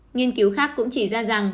nghiên cứu khác cũng chỉ ra rằng